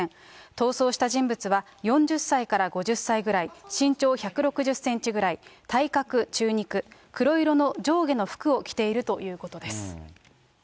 逃走した人物は４０歳から５０歳ぐらい、身長１６０センチぐらい、体格中肉、黒色の上下の服を着ているということです。